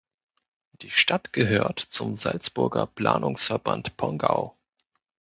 Die Stadt gehört zum Salzburger Planungsverband Pongau.